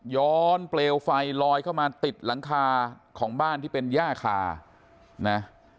เปลวไฟลอยเข้ามาติดหลังคาของบ้านที่เป็นย่าคานะ